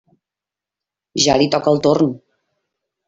Ja li toca el torn.